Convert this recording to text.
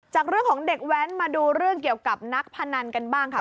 จากเรื่องของเด็กแว้นมาดูเรื่องเกี่ยวกับนักพนันกันบ้างค่ะ